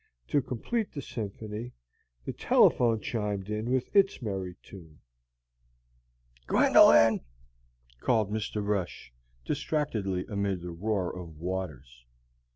To complete the symphony, the telephone chimed in with its merry tune. "Gwendolyn!" called Mr. Brush, distractedly amid the roar of waters.